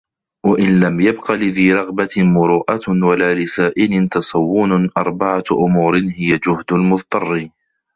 وَإِنْ لَمْ يَبْقَ لِذِي رَغْبَةٍ مُرُوءَةٌ وَلَا لِسَائِلٍ تَصَوُّنٌ أَرْبَعَةُ أُمُورٍ هِيَ جَهْدُ الْمُضْطَرِّ